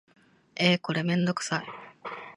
えーこれめんどくさい